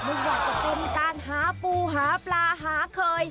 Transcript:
ไม่ว่าจะเป็นการหาปูหาปลาหาเคย